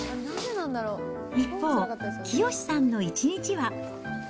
一方、清さんの一日は。